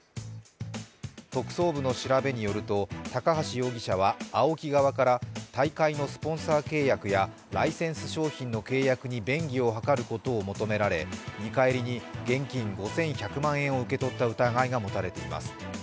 特捜部の調べによると、高橋容疑者はＡＯＫＩ側から大会のスポンサー契約やライセンス商品の契約に便宜を図ることを求められ、見返りに現金５１００万円を受け取った疑いが持たれています。